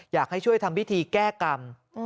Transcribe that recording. อยากให้ช่วยทำพิธีแก้กรรม